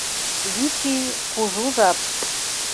ВИЧ ИЙ — КУЖУ ЖАП